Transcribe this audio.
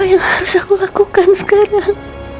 yang harus aku lakukan sekarang